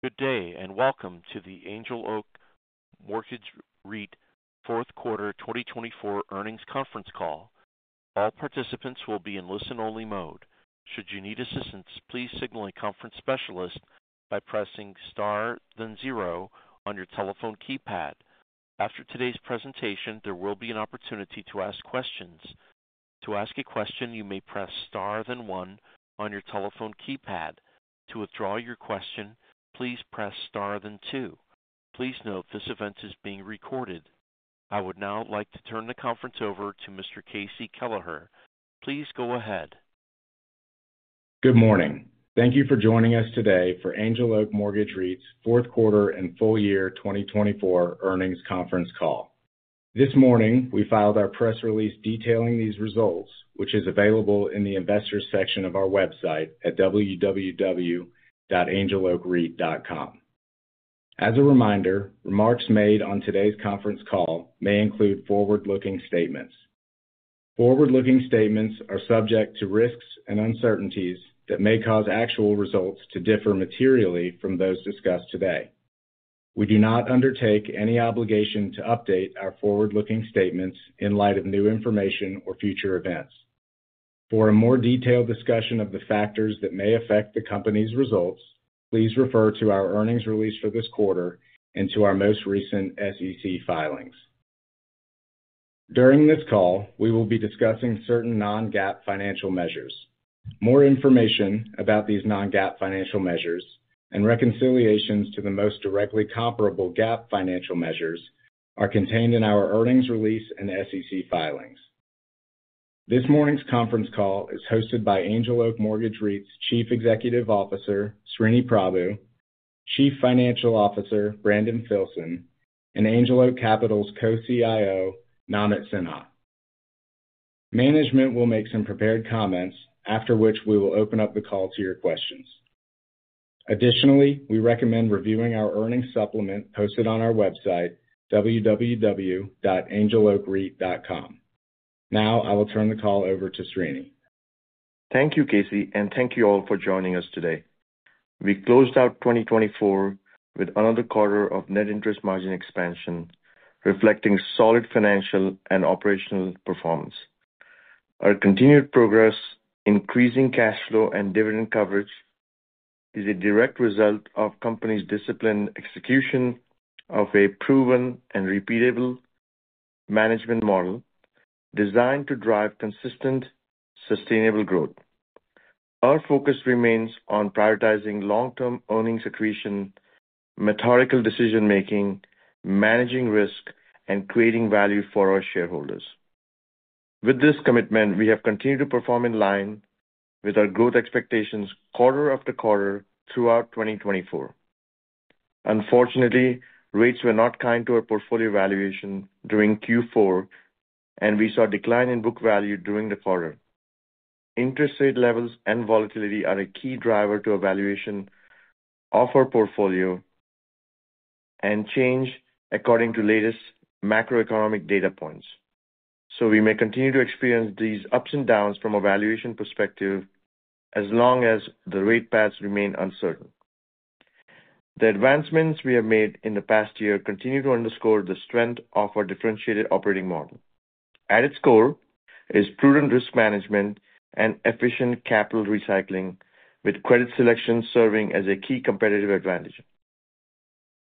Good day and welcome to the Angel Oak Mortgage REIT Q4 2024 earnings conference call. All participants will be in listen-only mode. Should you need assistance, please signal a conference specialist by pressing star then zero on your telephone keypad. After today's presentation, there will be an opportunity to ask questions. To ask a question, you may press star then one on your telephone keypad. To withdraw your question, please press star then two. Please note this event is being recorded. I would now like to turn the conference over to KC Kelleher, Head of Corporate Finance and Investor Relations. Please go ahead. Good morning. Thank you for joining us today for Angel Oak Mortgage REIT's Q4 and full year 2024 earnings conference call. This morning, we filed our press release detailing these results, which is available in the investors' section of our website at www.angeloakreit.com. As a reminder, remarks made on today's conference call may include forward-looking statements. Forward-looking statements are subject to risks and uncertainties that may cause actual results to differ materially from those discussed today. We do not undertake any obligation to update our forward-looking statements in light of new information or future events. For a more detailed discussion of the factors that may affect the company's results, please refer to our earnings release for this quarter and to our most recent SEC filings. During this call, we will be discussing certain non-GAAP financial measures. More information about these non-GAAP financial measures and reconciliations to the most directly comparable GAAP financial measures are contained in our earnings release and SEC filings. This morning's conference call is hosted by Angel Oak Mortgage REIT's Chief Executive Officer, Sreeni Prabhu, Chief Financial Officer, Brandon Filson, and Angel Oak Capital's Co-CIO, Namit Sinha. Management will make some prepared comments, after which we will open up the call to your questions. Additionally, we recommend reviewing our earnings supplement posted on our website, www.angeloakreit.com. Now, I will turn the call over to Sreeni. Thank you, KC, and thank you all for joining us today. We closed out 2024 with another quarter of net interest margin expansion reflecting solid financial and operational performance. Our continued progress, increasing cash flow and dividend coverage, is a direct result of the company's disciplined execution of a proven and repeatable management model designed to drive consistent, sustainable growth. Our focus remains on prioritizing long-term earnings accretion, methodical decision-making, managing risk, and creating value for our shareholders. With this commitment, we have continued to perform in line with our growth expectations quarter after quarter throughout 2024. Unfortunately, rates were not kind to our portfolio valuation during Q4, and we saw a decline in book value during the quarter. Interest rate levels and volatility are a key driver to the valuation of our portfolio and change according to the latest macroeconomic data points. We may continue to experience these ups and downs from a valuation perspective as long as the rate paths remain uncertain. The advancements we have made in the past year continue to underscore the strength of our differentiated operating model. At its core is prudent risk management and efficient capital recycling, with credit selection serving as a key competitive advantage.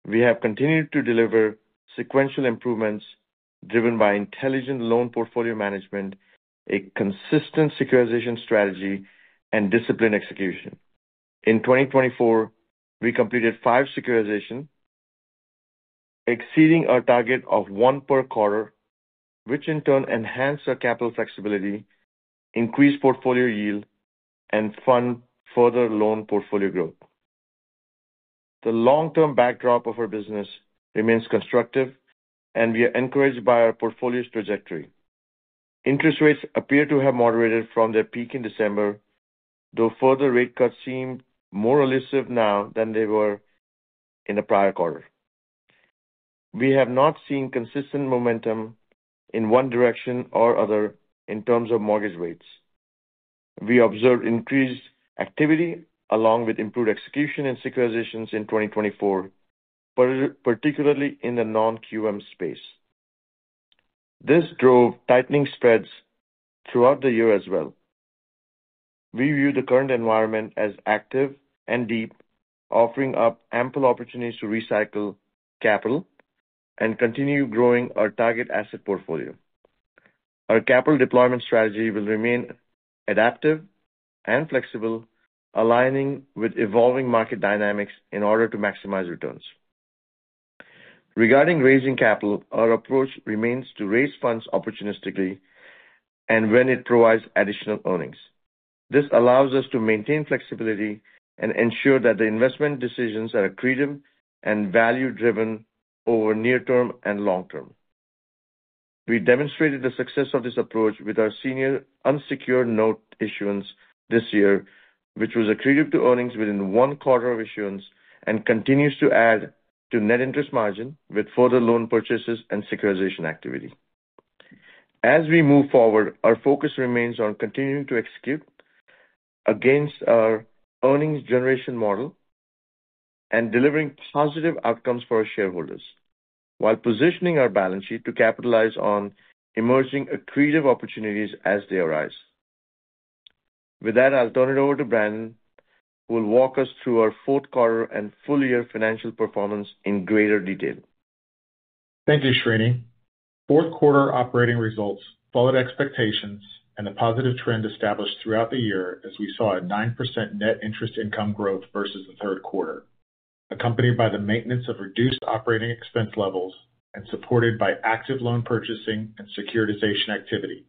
We have continued to deliver sequential improvements driven by intelligent loan portfolio management, a consistent securitization strategy, and disciplined execution. In 2024, we completed five securitizations, exceeding our target of one per quarter, which in turn enhanced our capital flexibility, increased portfolio yield, and funded further loan portfolio growth. The long-term backdrop of our business remains constructive, and we are encouraged by our portfolio's trajectory. Interest rates appear to have moderated from their peak in December, though further rate cuts seem more elusive now than they were in the prior quarter. We have not seen consistent momentum in one direction or other in terms of mortgage rates. We observed increased activity along with improved execution and securitizations in 2024, particularly in the non-QM space. This drove tightening spreads throughout the year as well. We view the current environment as active and deep, offering up ample opportunities to recycle capital and continue growing our target asset portfolio. Our capital deployment strategy will remain adaptive and flexible, aligning with evolving market dynamics in order to maximize returns. Regarding raising capital, our approach remains to raise funds opportunistically and when it provides additional earnings. This allows us to maintain flexibility and ensure that the investment decisions are accretive and value-driven over near-term and long-term. We demonstrated the success of this approach with our senior unsecured note issuance this year, which was accretive to earnings within one quarter of issuance and continues to add to net interest margin with further loan purchases and securitization activity. As we move forward, our focus remains on continuing to execute against our earnings generation model and delivering positive outcomes for our shareholders, while positioning our balance sheet to capitalize on emerging accretive opportunities as they arise. With that, I'll turn it over to Brandon, who will walk us through our Q4 and full year financial performance in greater detail. Thank you, Sreeni. Q4 operating results followed expectations and a positive trend established throughout the year as we saw a 9% net interest income growth versus the third quarter, accompanied by the maintenance of reduced operating expense levels and supported by active loan purchasing and securitization activity.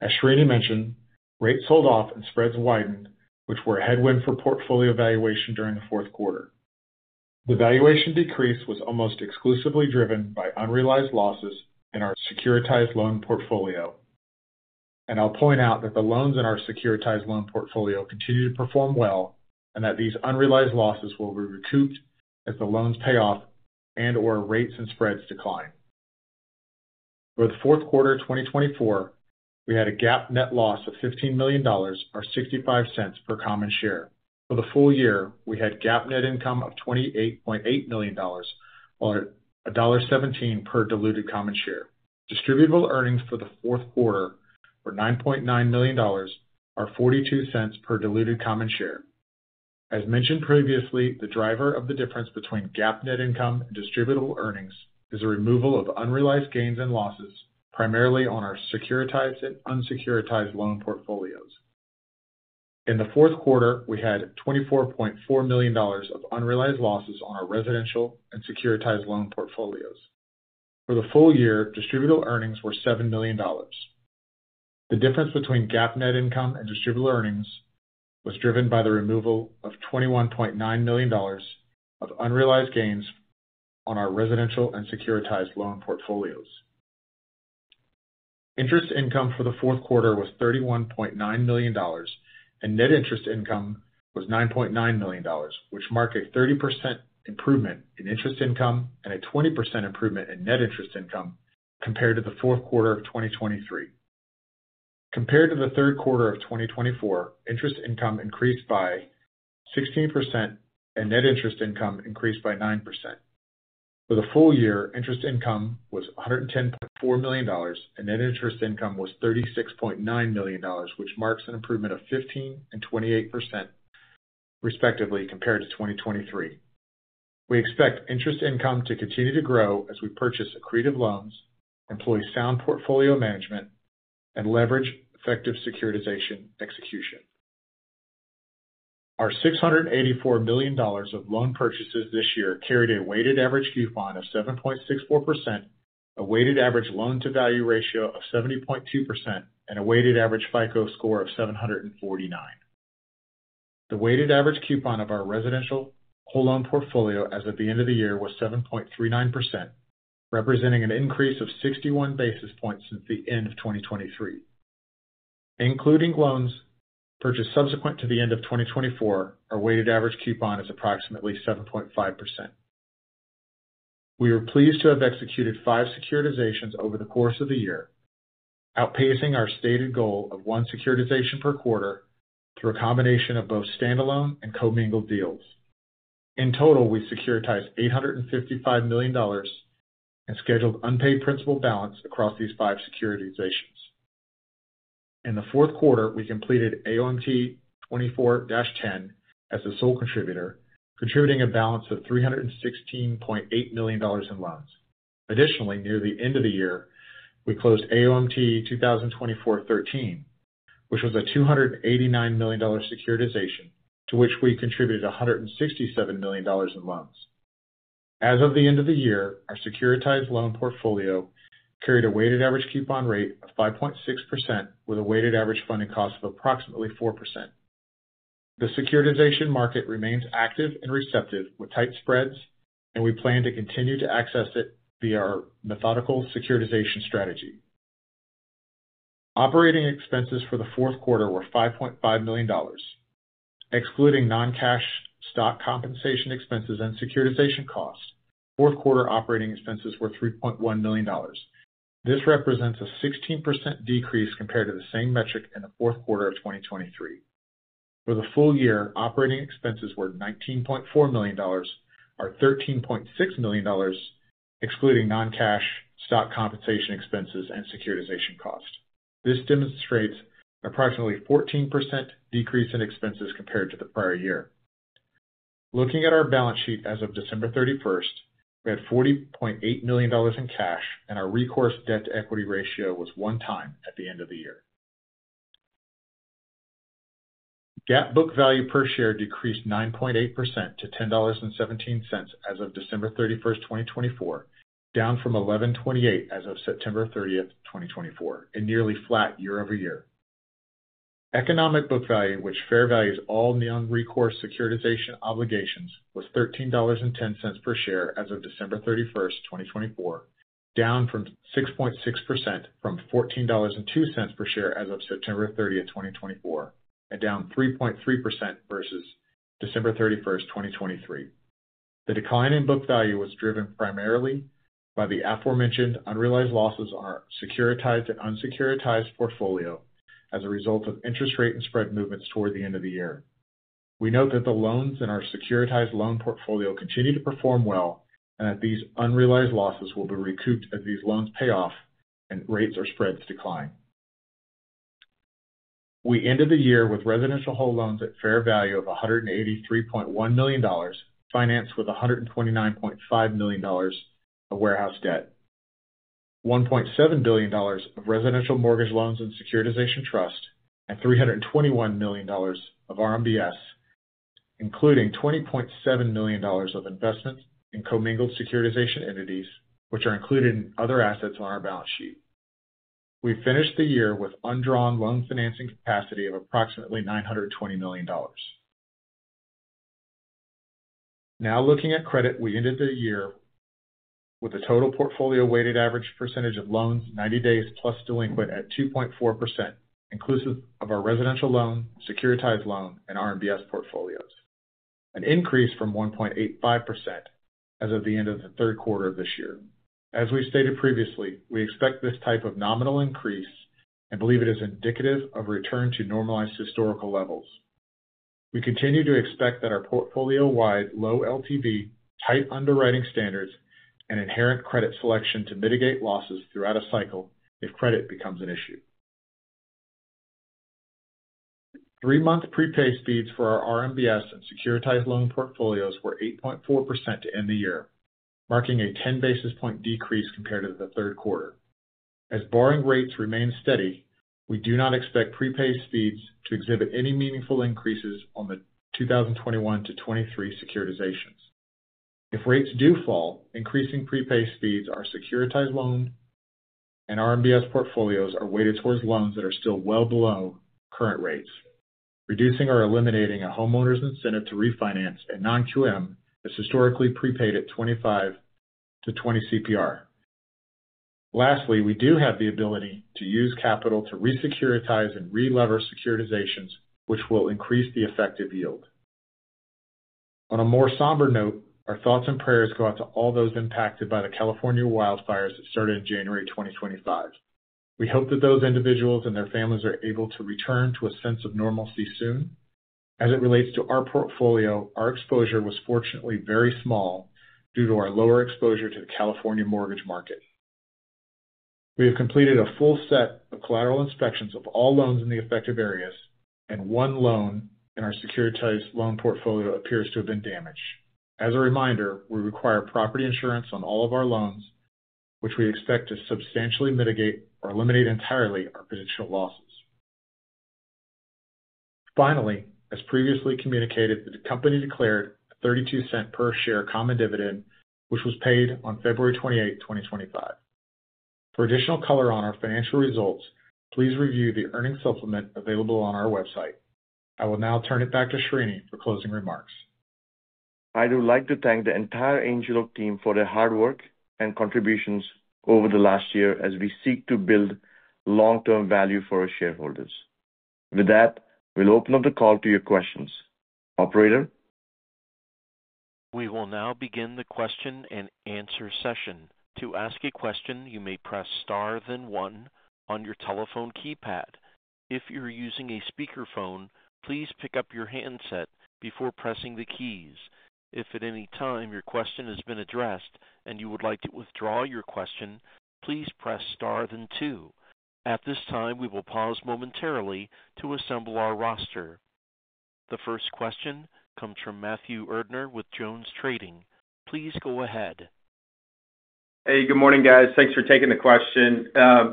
As Sreeni mentioned, rates sold off and spreads widened, which were a headwind for portfolio valuation during the Q4. The valuation decrease was almost exclusively driven by unrealized losses in our securitized loan portfolio. I will point out that the loans in our securitized loan portfolio continue to perform well and that these unrealized losses will be recouped as the loans pay off and/or rates and spreads decline. For the Q4 of 2024, we had a GAAP net loss of $15 million, or $0.65 per common share. For the full year, we had GAAP net income of $28.8 million, or $1.17 per diluted common share. Distributable earnings for the Q4 were $9.9 million, or $0.42 per diluted common share. As mentioned previously, the driver of the difference between GAAP net income and distributable earnings is the removal of unrealized gains and losses, primarily on our securitized and unsecuritized loan portfolios. In the Q4, we had $24.4 million of unrealized losses on our residential and securitized loan portfolios. For the full year, distributable earnings were $7 million. The difference between GAAP net income and distributable earnings was driven by the removal of $21.9 million of unrealized gains on our residential and securitized loan portfolios. Interest income for the Q4 was $31.9 million, and net interest income was $9.9 million, which marked a 30% improvement in interest income and a 20% improvement in net interest income compared to the Q4 of 2023. Compared to the third quarter of 2024, interest income increased by 16% and net interest income increased by 9%. For the full year, interest income was $110.4 million, and net interest income was $36.9 million, which marks an improvement of 15% and 28%, respectively, compared to 2023. We expect interest income to continue to grow as we purchase accretive loans, employ sound portfolio management, and leverage effective securitization execution. Our $684 million of loan purchases this year carried a weighted average coupon of 7.64%, a weighted average loan-to-value ratio of 70.2%, and a weighted average FICO score of 749. The weighted average coupon of our residential whole loan portfolio as of the end of the year was 7.39%, representing an increase of 61 basis points since the end of 2023. Including loans purchased subsequent to the end of 2024, our weighted average coupon is approximately 7.5%. We are pleased to have executed five securitizations over the course of the year, outpacing our stated goal of one securitization per quarter through a combination of both standalone and co-mingled deals. In total, we securitized $855 million in scheduled unpaid principal balance across these five securitizations. In the Q4, we completed Uncertain as the sole contributor, contributing a balance of $316.8 million in loans. Additionally, near the end of the year, we closed AOMT 2024-13, which was a $289 million securitization, to which we contributed $167 million in loans. As of the end of the year, our securitized loan portfolio carried a weighted average coupon rate of 5.6%, with a weighted average funding cost of approximately 4%. The securitization market remains active and receptive with tight spreads, and we plan to continue to access it via our methodical securitization strategy. Operating expenses for the Q4 were $5.5 million. Excluding non-cash stock compensation expenses and securitization costs, Q4 operating expenses were $3.1 million. This represents a 16% decrease compared to the same metric in the Q4 of 2023. For the full year, operating expenses were $19.4 million, or $13.6 million, excluding non-cash stock compensation expenses and securitization cost. This demonstrates an approximately 14% decrease in expenses compared to the prior year. Looking at our balance sheet as of December 31, we had $40.8 million in cash, and our recourse debt-to-equity ratio was 1.0x at the end of the year. GAAP book value per share decreased 9.8% to $10.17 as of December 31, 2024, down from $11.28 as of September 30, 2024, a nearly flat year-over-year. Economic book value, which fair values all non-recourse securitization obligations, was $13.10 per share as of December 31, 2024, down 6.6% from $14.02 per share as of September 30, 2024, and down 3.3% versus December 31, 2023. The decline in book value was driven primarily by the aforementioned unrealized losses on our securitized and unsecuritized portfolio as a result of interest rate and spread movements toward the end of the year. We note that the loans in our securitized loan portfolio continue to perform well and that these unrealized losses will be recouped as these loans pay off and rates or spreads decline. We ended the year with residential whole loans at fair value of $183.1 million, financed with $129.5 million of warehouse debt, $1.7 billion of residential mortgage loans and securitization trusts, and $321 million of RMBS, including $20.7 million of investments in co-mingled securitization entities, which are included in other assets on our balance sheet. We finished the year with undrawn loan financing capacity of approximately $920 million. Now looking at credit, we ended the year with a total portfolio weighted average percentage of loans 90 days plus delinquent at 2.4%, inclusive of our residential loan, securitized loan, and RMBS portfolios, an increase from 1.85% as of the end of the third quarter of this year. As we stated previously, we expect this type of nominal increase and believe it is indicative of a return to normalized historical levels. We continue to expect that our portfolio-wide low LTV, tight underwriting standards, and inherent credit selection to mitigate losses throughout a cycle if credit becomes an issue. Three-month prepay speeds for our RMBS and securitized loan portfolios were 8.4% to end the year, marking a 10 basis point decrease compared to the third quarter. As borrowing rates remain steady, we do not expect prepay speeds to exhibit any meaningful increases on the 2021 to 2023 securitizations. If rates do fall, increasing prepay speeds are securitized loans, and RMBS portfolios are weighted towards loans that are still well below current rates, reducing or eliminating a homeowner's incentive to refinance a non-QM that's historically prepaid at 25% to 20% CPR. Lastly, we do have the ability to use capital to resecuritize and re-lever securitizations, which will increase the effective yield. On a more somber note, our thoughts and prayers go out to all those impacted by the California wildfires that started in January 2025. We hope that those individuals and their families are able to return to a sense of normalcy soon. As it relates to our portfolio, our exposure was fortunately very small due to our lower exposure to the California mortgage market. We have completed a full set of collateral inspections of all loans in the affected areas, and one loan in our securitized loan portfolio appears to have been damaged. As a reminder, we require property insurance on all of our loans, which we expect to substantially mitigate or eliminate entirely our potential losses. Finally, as previously communicated, the company declared a $0.32 per share common dividend, which was paid on February 28, 2025. For additional color on our financial results, please review the earnings supplement available on our website. I will now turn it back to Sreeni for closing remarks. I would like to thank the entire Angel Oak team for their hard work and contributions over the last year as we seek to build long-term value for our shareholders. With that, we'll open up the call to your questions. Operator. We will now begin the question and answer session. To ask a question, you may press star then one on your telephone keypad. If you're using a speakerphone, please pick up your handset before pressing the keys. If at any time your question has been addressed and you would like to withdraw your question, please press star then two. At this time, we will pause momentarily to assemble our roster. The first question comes from Matthew Erdner with JonesTrading. Please go ahead. Hey, good morning, guys. Thanks for taking the question.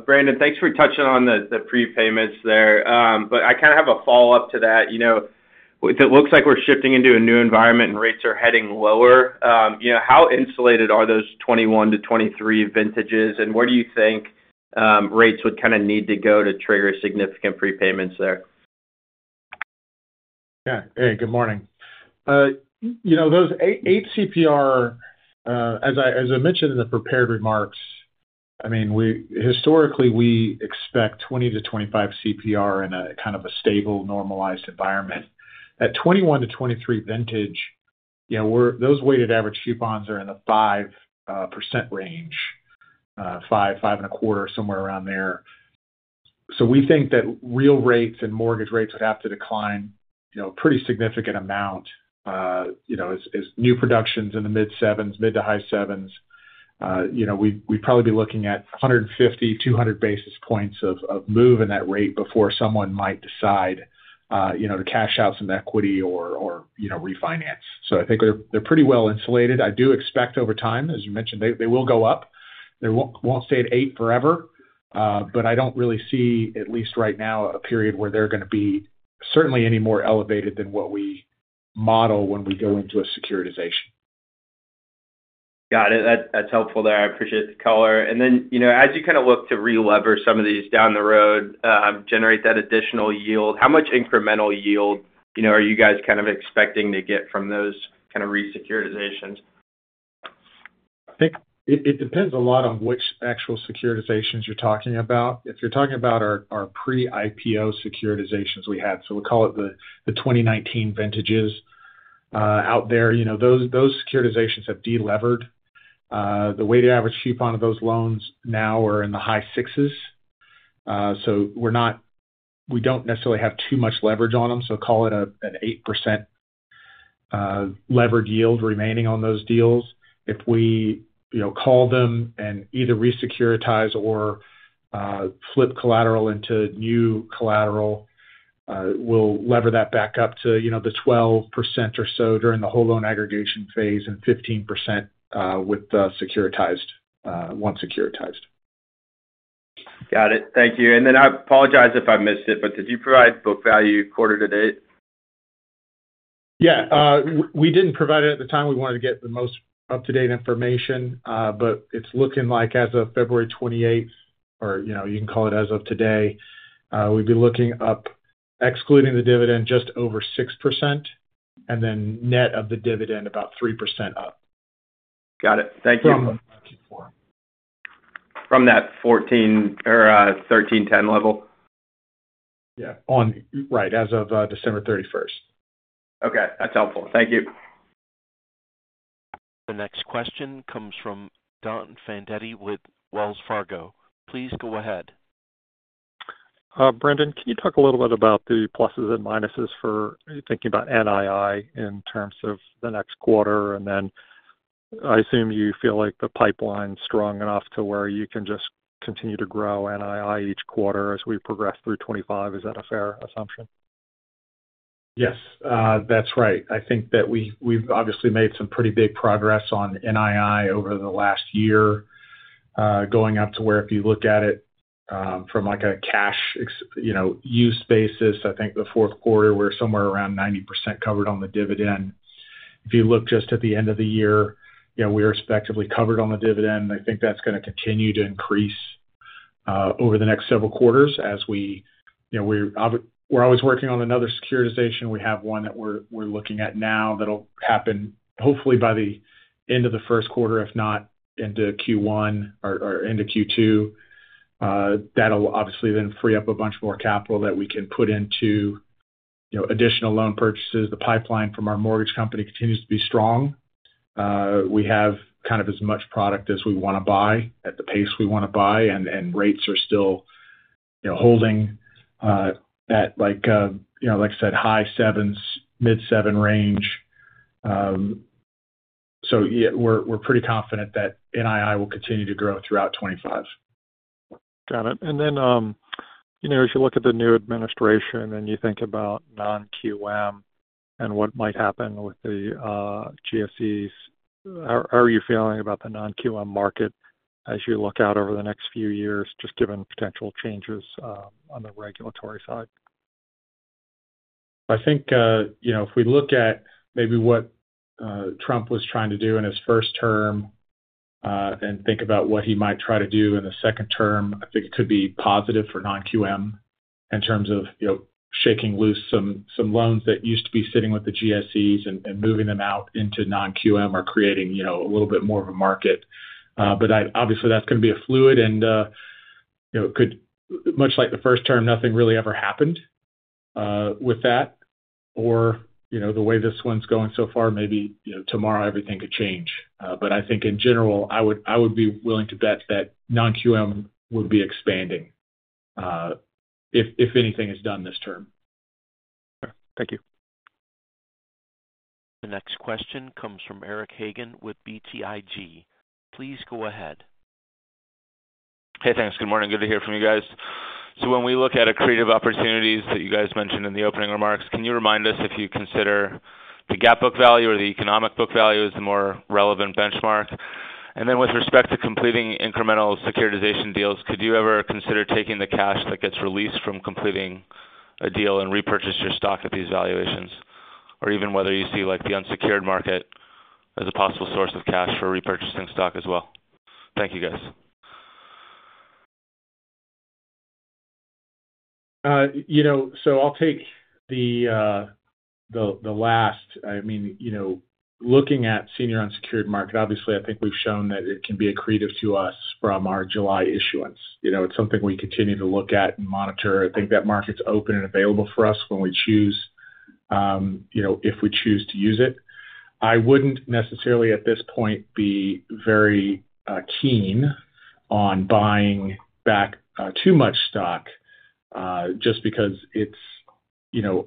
Brandon, thanks for touching on the prepayments there. I kind of have a follow-up to that. It looks like we're shifting into a new environment and rates are heading lower. How insulated are those '21 to '23 vintages, and where do you think rates would kind of need to go to trigger significant prepayments there? Yeah. Hey, good morning. Those 8% CPR, as I mentioned in the prepared remarks, I mean, historically, we expect 20-25% CPR in a kind of a stable, normalized environment. At 2021 to 2023 vintage, those weighted average coupons are in the 5% range, 5, 5 and a quarter, somewhere around there. We think that real rates and mortgage rates would have to decline a pretty significant amount as new productions in the mid-sevens, mid to high sevens. We'd probably be looking at 150-200 basis points of move in that rate before someone might decide to cash out some equity or refinance. I think they're pretty well insulated. I do expect over time, as you mentioned, they will go up. They won't stay at 8% forever. I don't really see, at least right now, a period where they're going to be certainly any more elevated than what we model when we go into a securitization. Got it. That's helpful there. I appreciate the color. As you kind of look to re-lever some of these down the road, generate that additional yield, how much incremental yield are you guys kind of expecting to get from those kind of resecuritizations? I think it depends a lot on which actual securitizations you're talking about. If you're talking about our pre-IPO securitizations we had, so we'll call it the 2019 vintages out there, those securitizations have de-levered. The weighted average coupon of those loans now are in the high sixes. We don't necessarily have too much leverage on them, so call it an 8% levered yield remaining on those deals. If we call them and either resecuritize or flip collateral into new collateral, we'll lever that back up to the 12% or so during the whole loan aggregation phase and 15% with the securitized once securitized. Got it. Thank you. I apologize if I missed it, but did you provide book value quarter to date? Yeah. We did not provide it at the time. We wanted to get the most up-to-date information. It is looking like as of February 28, or you can call it as of today, we would be looking up, excluding the dividend, just over 6%, and then net of the dividend, about 3% up. Got it. Thank you. From that 14 or 13-10 level? Yeah. Right. As of December 31. Okay. That's helpful. Thank you. The next question comes from Don Fandetti with Wells Fargo. Please go ahead. Brandon, can you talk a little bit about the pluses and minuses for thinking about NII in terms of the next quarter? And then I assume you feel like the pipeline's strong enough to where you can just continue to grow NII each quarter as we progress through 2025. Is that a fair assumption? Yes. That's right. I think that we've obviously made some pretty big progress on NII over the last year, going up to where if you look at it from a cash use basis, I think the Q4, we're somewhere around 90% covered on the dividend. If you look just at the end of the year, we are effectively covered on the dividend. I think that's going to continue to increase over the next several quarters as we're always working on another securitization. We have one that we're looking at now that'll happen hopefully by the end of the first quarter, if not into Q1 or into Q2. That'll obviously then free up a bunch more capital that we can put into additional loan purchases. The pipeline from our mortgage company continues to be strong. We have kind of as much product as we want to buy at the pace we want to buy, and rates are still holding at, like I said, high sevens, mid-seven range. We are pretty confident that NII will continue to grow throughout 2025. Got it. As you look at the new administration and you think about non-QM and what might happen with the GSEs, how are you feeling about the non-QM market as you look out over the next few years, just given potential changes on the regulatory side? I think if we look at maybe what Trump was trying to do in his first term and think about what he might try to do in the second term, I think it could be positive for non-QM in terms of shaking loose some loans that used to be sitting with the GSEs and moving them out into non-QM or creating a little bit more of a market. Obviously, that's going to be fluid, and it could, much like the first term, nothing really ever happened with that. The way this one's going so far, maybe tomorrow everything could change. I think in general, I would be willing to bet that non-QM would be expanding, if anything is done this term. Okay. Thank you. The next question comes from Eric Hagen with BTIG. Please go ahead. Hey, thanks. Good morning. Good to hear from you guys. When we look at accretive opportunities that you guys mentioned in the opening remarks, can you remind us if you consider the GAAP book value or the economic book value as the more relevant benchmark? With respect to completing incremental securitization deals, could you ever consider taking the cash that gets released from completing a deal and repurchase your stock at these valuations, or even whether you see the unsecured market as a possible source of cash for repurchasing stock as well? Thank you, guys. I'll take the last. I mean, looking at senior unsecured market, obviously, I think we've shown that it can be accretive to us from our July issuance. It's something we continue to look at and monitor. I think that market's open and available for us when we choose, if we choose to use it. I wouldn't necessarily at this point be very keen on buying back too much stock just because it's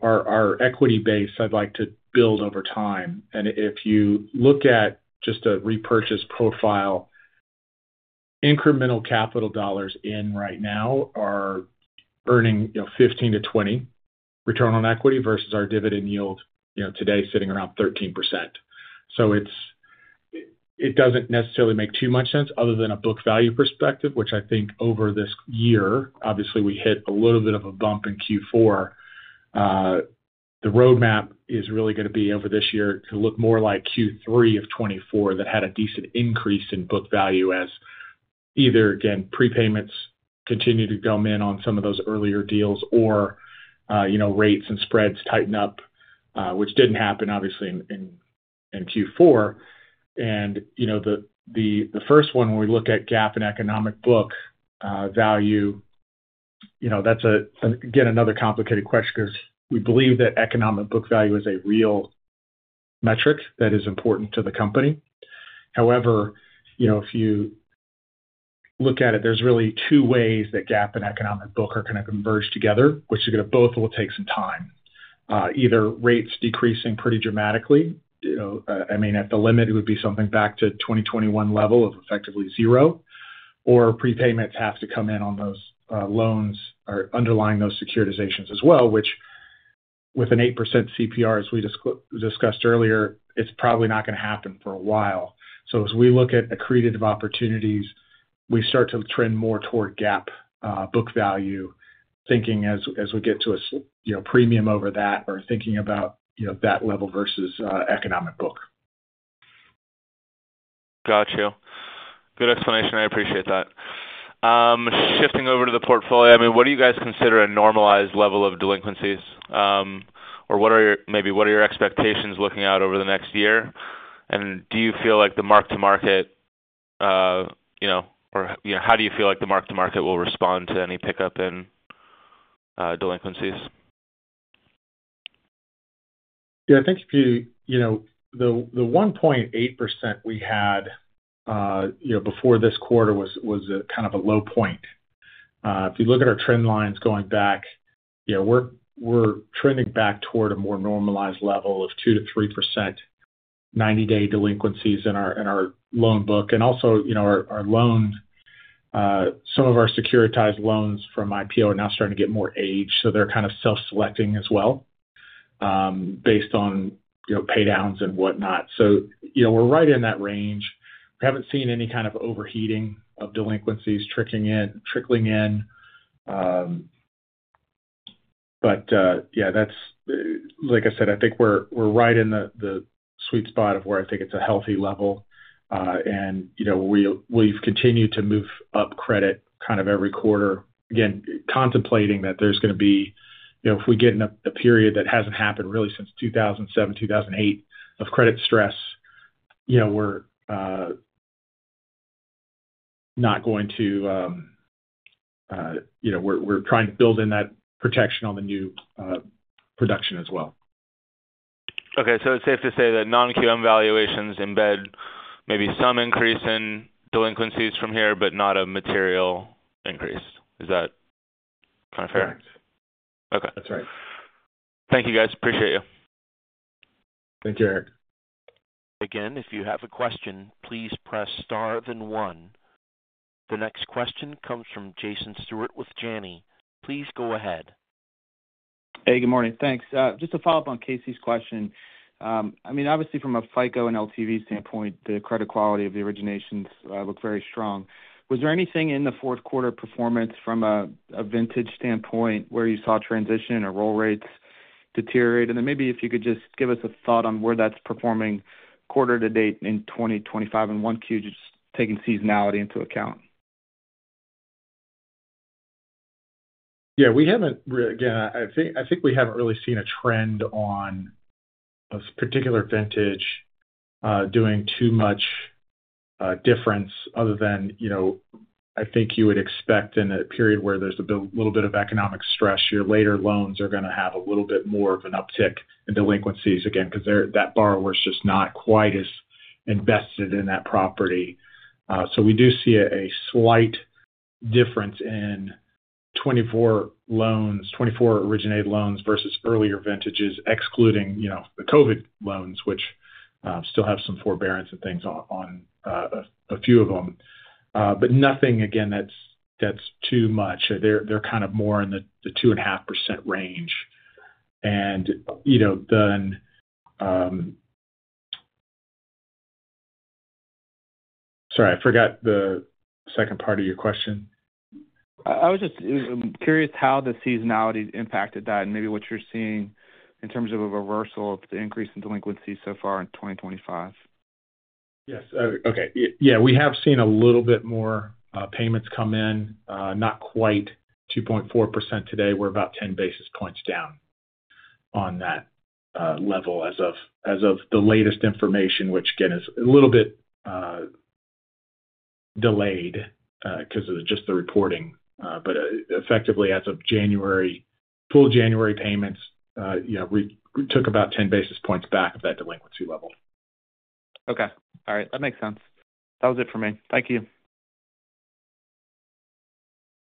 our equity base I'd like to build over time. And if you look at just a repurchase profile, incremental capital dollars in right now are earning 15%-20% return on equity versus our dividend yield today sitting around 13%. So it doesn't necessarily make too much sense other than a book value perspective, which I think over this year, obviously, we hit a little bit of a bump in Q4. The roadmap is really going to be over this year to look more like Q3 of 2024 that had a decent increase in book value as either, again, prepayments continue to come in on some of those earlier deals or rates and spreads tighten up, which did not happen, obviously, in Q4. The first one, when we look at GAAP and economic book value, that is again another complicated question because we believe that economic book value is a real metric that is important to the company. However, if you look at it, there are really two ways that GAAP and economic book are going to converge together, which is going to both take some time. Either rates decreasing pretty dramatically. I mean, at the limit, it would be something back to 2021 level of effectively zero, or prepayments have to come in on those loans or underlying those securitizations as well, which with an 8% CPR, as we discussed earlier, it's probably not going to happen for a while. As we look at accretive opportunities, we start to trend more toward GAAP book value, thinking as we get to a premium over that or thinking about that level versus economic book. Gotcha. Good explanation. I appreciate that. Shifting over to the portfolio, I mean, what do you guys consider a normalized level of delinquencies? Or maybe what are your expectations looking out over the next year? Do you feel like the mark-to-market or how do you feel like the mark-to-market will respond to any pickup in delinquencies? Yeah. I think the 1.8% we had before this quarter was kind of a low point. If you look at our trend lines going back, we're trending back toward a more normalized level of 2-3% 90-day delinquencies in our loan book. Also our loans, some of our securitized loans from IPO are now starting to get more age, so they're kind of self-selecting as well based on paydowns and whatnot. We're right in that range. We haven't seen any kind of overheating of delinquencies trickling in. Yeah, like I said, I think we're right in the sweet spot of where I think it's a healthy level. We've continued to move up credit kind of every quarter. Again, contemplating that there's going to be, if we get in a period that hasn't happened really since 2007, 2008, of credit stress, we're not going to, we're trying to build in that protection on the new production as well. Okay. It's safe to say that non-QM valuations embed maybe some increase in delinquencies from here, but not a material increase. Is that kind of fair? Correct. Okay. That's right. Thank you, guys. Appreciate you. Thank you, Eric. Again, if you have a question, please press star then one. The next question comes from Jason Stewart with Janney. Please go ahead. Hey, good morning. Thanks. Just to follow up on C question. I mean, obviously, from a FICO and LTV standpoint, the credit quality of the originations look very strong. Was there anything in the Q4 performance from a vintage standpoint where you saw transition or roll rates deteriorate? Maybe if you could just give us a thought on where that's performing quarter to date in 2025 and one Q, just taking seasonality into account. Yeah. Again, I think we haven't really seen a trend on a particular vintage doing too much different other than I think you would expect in a period where there's a little bit of economic stress, your later loans are going to have a little bit more of an uptick in delinquencies, again, because that borrower is just not quite as invested in that property. We do see a slight difference in 2024 originated loans versus earlier vintages, excluding the COVID loans, which still have some forbearance and things on a few of them. Nothing, again, that's too much. They're kind of more in the 2.5% range. Sorry, I forgot the second part of your question. I was just curious how the seasonality impacted that and maybe what you're seeing in terms of a reversal of the increase in delinquency so far in 2025. Yes. Okay. Yeah. We have seen a little bit more payments come in. Not quite 2.4% today. We are about 10 basis points down on that level as of the latest information, which, again, is a little bit delayed because of just the reporting. Effectively, as of full January payments, we took about 10 basis points back of that delinquency level. Okay. All right. That makes sense. That was it for me. Thank you.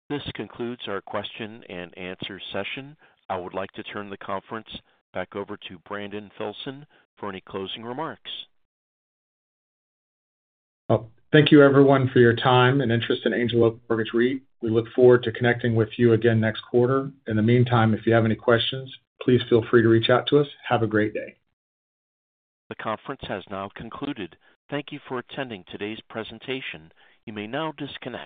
This concludes our question and answer session. I would like to turn the conference back over to Brandon Filson for any closing remarks. Thank you, everyone, for your time and interest in Angel Oak Mortgage REIT. We look forward to connecting with you again next quarter. In the meantime, if you have any questions, please feel free to reach out to us. Have a great day. The conference has now concluded. Thank you for attending today's presentation. You may now disconnect.